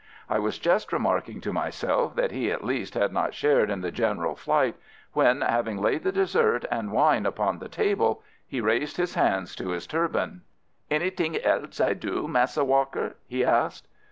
I was just remarking to myself that he at least had not shared in the general flight when, having laid the dessert and wine upon the table, he raised his hand to his turban. "Anyting else I do, Massa Walker?" he asked.